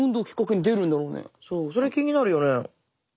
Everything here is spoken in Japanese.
そうそれ気になるよね。